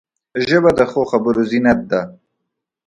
ژبه د ښو خبرو زینت ده